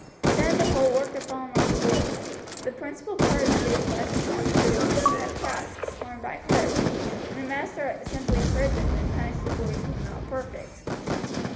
Then the whole work had fallen on the boys; the principal part of the day's lessens had been the repeating of tasks learned by heart, and the master simply heard them and punished the boys who were not perfect.